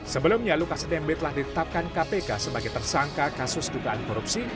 sebelumnya lukas nmb telah ditetapkan kpk sebagai tersangka kasus dugaan korupsi